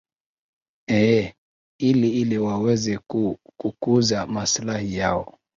ee ili ili waweze ku kukuza maslahi yao